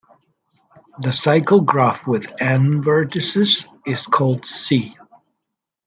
The cycle graph with "n" vertices is called "C".